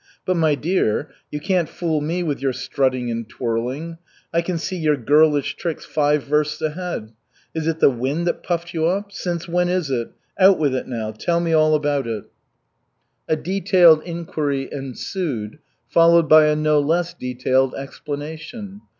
But, my dear, you can't fool me with your strutting and twirling. I can see your girlish tricks five versts ahead! Is it the wind that puffed you up? Since when is it? Out with it now. Tell me all about it." A detailed inquiry ensued, followed by a no less detailed explanation.